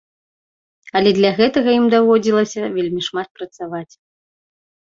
Але для гэтага ім даводзілася вельмі шмат працаваць.